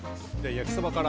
焼きそばから。